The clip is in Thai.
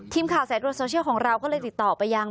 สายตรวจโซเชียลของเราก็เลยติดต่อไปยัง